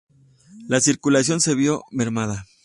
La circulación se vio mermada.